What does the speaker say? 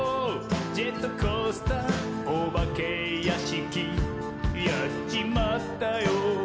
ジェットコースターおばけやしき」「やっちまったよ！